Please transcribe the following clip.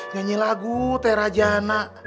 nyanyi lagu teh rajana